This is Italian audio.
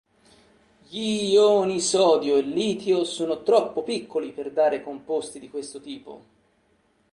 Gli ioni sodio e litio sono troppo piccoli per dare composti di questo tipo.